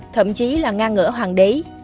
thậm chí là ngang ngỡ hoàng đế